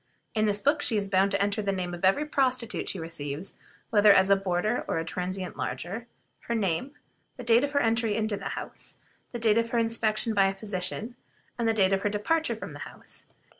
In this book she is bound to enter the name of every prostitute she receives, whether as a boarder or a transient lodger; her age, the date of her entry into her house, the date of her inspection by a physician, and the date of her departure from the house.